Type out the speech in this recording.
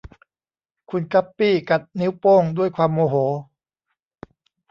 คุณกัปปี้กัดนิ้วโป้งด้วยความโมโห